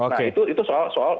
nah itu soal soal